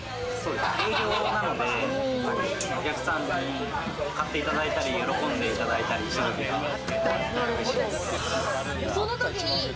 営業なので、お客さんに買っていただいたり、喜んでしていただいたりしたときがうれしいです。